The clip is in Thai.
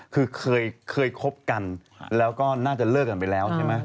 คือเคยคบกันแล้วก็น่าจะเลิกกันไปแล้วใช่ไหม